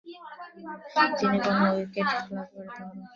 তিনি কোন উইকেট লাভে ব্যর্থ হন।